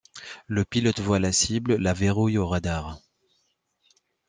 Le pilote voit la cible, la verrouille au radar.